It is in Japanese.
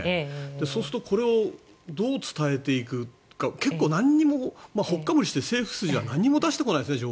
そうするとこれをどう伝えていくか結構、何もほっかむりして政府筋が何も情報を出してこないですね。